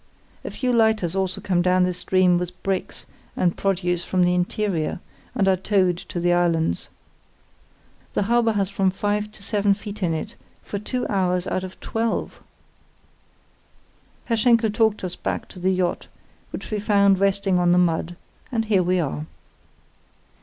A few lighters also come down the stream with bricks and produce from the interior, and are towed to the islands. The harbour has from five to seven feet in it for two hours out of twelve! Herr Schenkel talked us back to the yacht, which we found resting on the mud—and here we are.